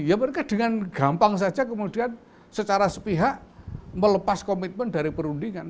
ya mereka dengan gampang saja kemudian secara sepihak melepas komitmen dari perundingan